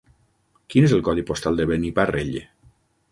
Quin és el codi postal de Beniparrell?